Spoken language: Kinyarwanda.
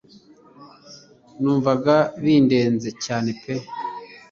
Numvaga bindenze cyane pe